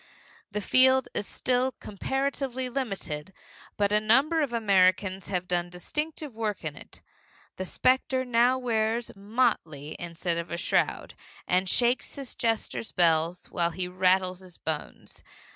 The field is still comparatively limited, but a number of Americans have done distinctive work in it. The specter now wears motley instead of a shroud, and shakes his jester's bells the while he rattles his bones.